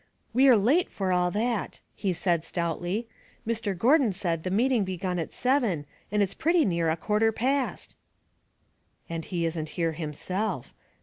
We're late for all that," he said, stoutly. *' Mr. Gordon said the meeting begun at seven, and it's pretty near a quarter past." " And he isn't here himself.